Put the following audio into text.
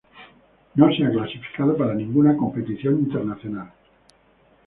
No se ha clasificado para ninguna competición internacional.